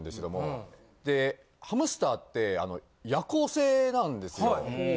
でハムスターって夜行性なんですよ。